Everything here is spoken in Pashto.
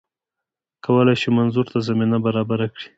کولای شو منظور ته زمینه برابره کړي